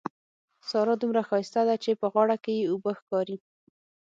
سارا دومره ښايسته ده چې په غاړه کې يې اوبه ښکاري.